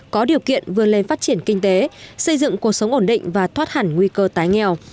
có điều kiện vươn lên phát triển kinh tế xây dựng cuộc sống ổn định và thoát hẳn nguy cơ tái nghèo